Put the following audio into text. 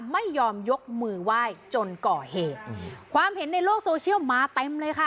ไม่ยอมยกมือไหว้จนก่อเหตุความเห็นในโลกโซเชียลมาเต็มเลยค่ะ